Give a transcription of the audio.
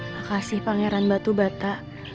makasih pangeran batu bata